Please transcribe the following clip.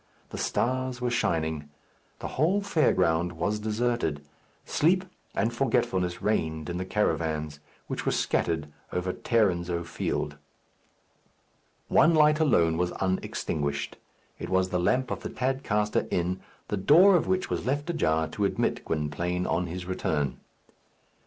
The stars were shining. The whole fair ground was deserted. Sleep and forgetfulness reigned in the caravans which were scattered over Tarrinzeau Field. One light alone was unextinguished. It was the lamp of the Tadcaster Inn, the door of which was left ajar to admit Gwynplaine on his return.